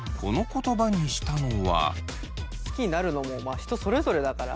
この言葉にしたのは。